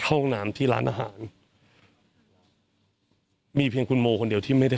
ห้องน้ำที่ร้านอาหารมีเพียงคุณโมคนเดียวที่ไม่ได้